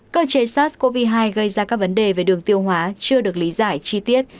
cơ chế sars cov hai gây ra các vấn đề về đường tiêu hóa chưa được lý giải chi tiết